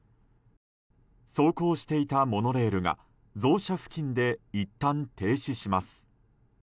走行していたモノレールがゾウ舎付近でいったん停止します。